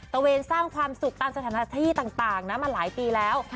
เวนสร้างความสุขตามสถานที่ต่างนะมาหลายปีแล้ว